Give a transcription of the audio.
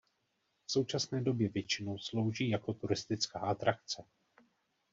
V současné době většinou slouží jako turistická atrakce.